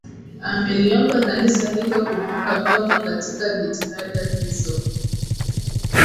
Ameliomba Kanisa hilo kumuunga mkono katika jitihada hizo